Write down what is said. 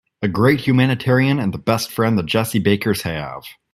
A great humanitarian and the best friend the Jessie Bakers have.